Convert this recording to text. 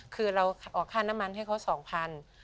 คือเราออกค่าน้ำมันให้เขา๒๐๐บาท